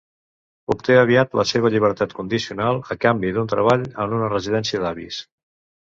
Obté aviat la seva llibertat condicional, a canvi d'un treball en una residència d'avis.